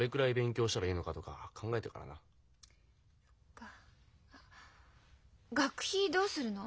あっ学費どうするの？